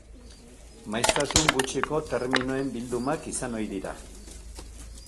Maiztasun gutxiko terminoen bildumak izan ohi dira.